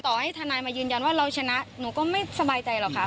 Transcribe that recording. ให้ทนายมายืนยันว่าเราชนะหนูก็ไม่สบายใจหรอกค่ะ